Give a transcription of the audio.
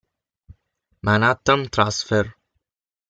Manhattan Transfer